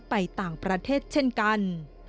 ไปต่างประเทศเช่นกัน